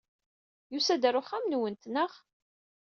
Yusa-d ɣer uxxam-nwent, naɣ?